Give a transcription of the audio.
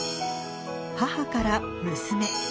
母から娘。